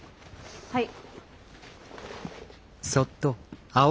はい。